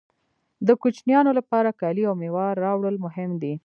د کوچنیانو لپاره کالي او مېوه راوړل مهم دي